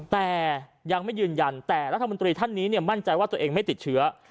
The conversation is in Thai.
แต่ยังไม่ยืนยันแต่รัฐมนตรีท่านนี้มั่นใจว่าตัวเองไม่ติดเชื้อ